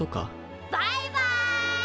バイバイ！